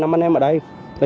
năm anh em ở đây